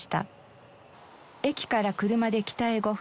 駅から車で北へ５分。